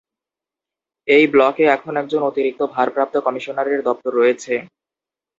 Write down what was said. এই ব্লকে এখন একজন অতিরিক্ত ভারপ্রাপ্ত কমিশনারের দপ্তর রয়েছে।